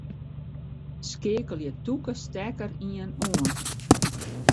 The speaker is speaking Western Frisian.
Skeakelje tûke stekker ien oan.